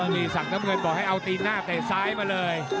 นี่สั่งน้ำเงินบอกให้เอาตีนหน้าเตะซ้ายมาเลย